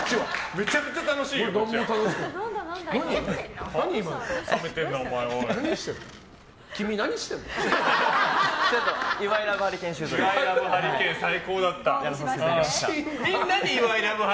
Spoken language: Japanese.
めちゃくちゃ楽しいよこっちは。